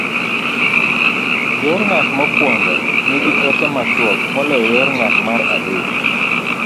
Yor ng'at mokwongo nigi ote machuok moloyo yor ng'at mar adek.